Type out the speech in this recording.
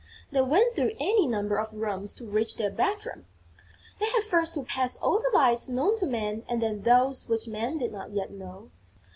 They went through any number of rooms to reach their bedroom. They had first to pass all the lights known to Man and then those which Man did not yet know.